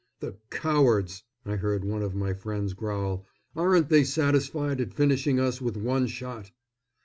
"The cowards!" I heard one of my pals growl; "aren't they satisfied at finishing us with one shot?"